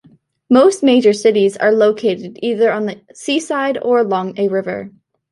Most major cities are located either on the seaside, or along a river.